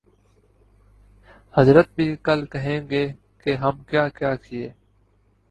حضرت بھی کل کہیں گے کہ ہم کیا کیا کیے